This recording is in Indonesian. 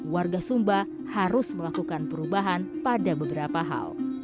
warga sumba harus melakukan perubahan pada beberapa hal